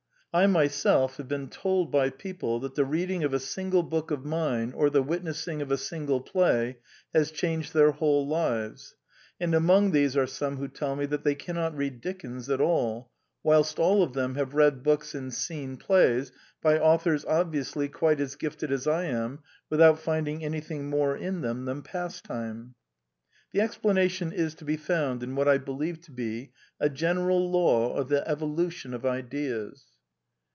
I myself have been told by people that the reading of a single book of mine or the witness ing of a single play has changed their whole lives; and among these are some who tell me that they cannot read Dickens at all, whilst all of them have read books and se^n plays by authors ob viously quite as gifted as I am, without finding anything more in them than pastime. The explanation is to be found in what I be lieve to be a general law of the evolution of ideas.